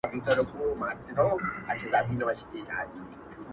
د درد پېټی دي را نیم کړه چي یې واخلم,